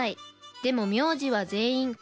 でも名字は全員小池。